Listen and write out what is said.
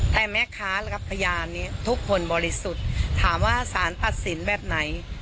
แต่แม่ค้าและกับพยานเนี่ยทุกคนบริสุทธิ์ถามว่าสารตัดสินแบบไหน